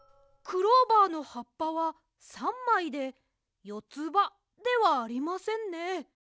クローバーのはっぱは３まいでよつばではありませんね。